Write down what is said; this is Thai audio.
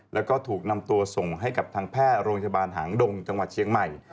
แล้วก็ถูกนำตัวส่งให้กับทางแพทย์โรงพยาบาลหางดงจังหวัดเชียงใหม่